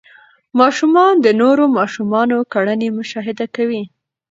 ماشومان د نورو ماشومانو کړنې مشاهده کوي.